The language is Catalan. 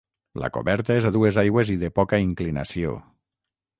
La coberta és a dues aigües i de poca inclinació.